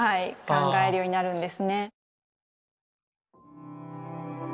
考えるようになるんですね。